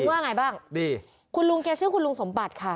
ว่าไงบ้างดีคุณลุงแกชื่อคุณลุงสมบัติค่ะ